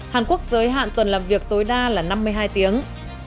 hàn quốc giới hạn tuần làm việc tối đa là năm mươi hai tiếng